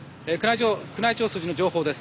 宮内庁筋の情報です。